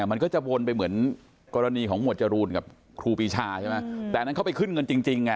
มันก็จะโวนไปเหมือนกรณีของหัวจรูนกับครูปีชาตอนนั้นเข้าไปขึ้นเงินจริง